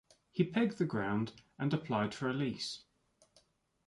He pegged the ground, and applied for a lease.